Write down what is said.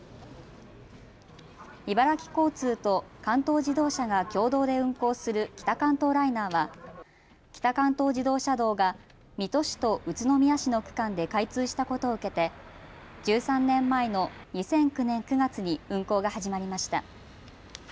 茨城交通と関東自動車が共同で運行する北関東ライナーは北関東自動車道が水戸市と宇都宮市の区間で開通したことを受けて１３年前の２００９年９月に運行が始まりました。